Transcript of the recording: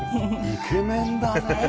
イケメンだねえ！